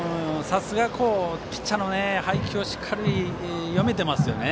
さすがピッチャーの配球をしっかり読めていますね。